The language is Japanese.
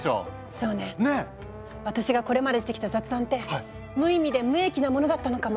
私がこれまでしてきた雑談って無意味で無益なものだったのかも。